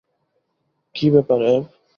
কী ব্যাপার, অ্যাব?